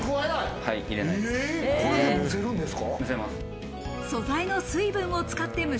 これで蒸せるんですか？